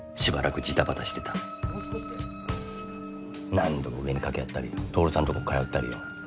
何度も上に掛け合ったり亨さんとこ通ったりよ。